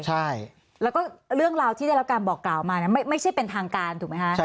ใช่แล้วก็เรื่องราวที่ได้รับการบอกกล่าวมาไม่ใช่เป็นทางการถูกไหมคะ